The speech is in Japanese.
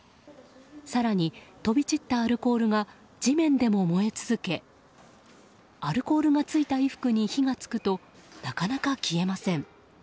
更に、飛び散ったアルコールが地面でも燃え続けアルコールがついた衣服に火が付くとなかなか消えません。